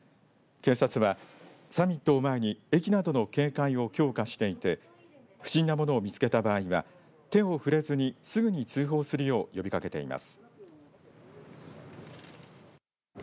警察はサミットを前に駅などの警戒を強化していて不審なものを見つけた場合は手を触れずにすぐに通報するよう呼びかけています。